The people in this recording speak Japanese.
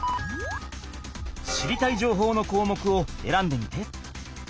知りたいじょうほうのこうもくをえらんでみて。